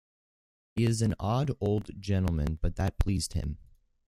He is an odd old gentleman, but that pleased him.